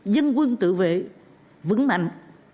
dân quân tự vệ vững mạnh